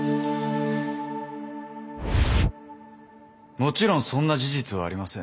もちろんそんな事実はありません。